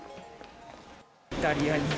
イタリアに。